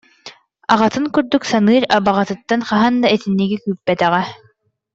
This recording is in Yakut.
Аҕатын курдук саныыр абаҕатыттан хаһан да итинниги күүппэтэҕэ